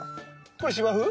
これ芝生？